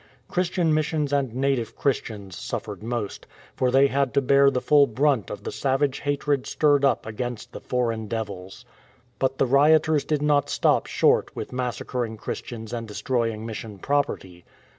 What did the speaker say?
'*'' Christian missions and native Christians suffered most, for they had to bear the full brunt of the savage hatred stirred up against the " foreign devils."" But the rioters did not stop short with massacring Christians and destroy ing mission property.